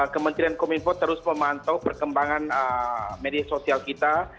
kementerian kemenko minfo terus memantau perkembangan media sosial kita